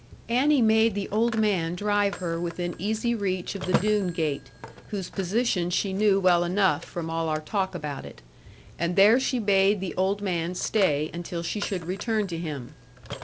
Annie made the old man drive her within easy reach of the Doone gate, whose position she knew well enough, from all our talk about it. And there she bade the old man stay, until she should return to him.